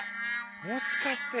もしかして。